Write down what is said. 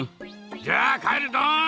じゃあかえるドン！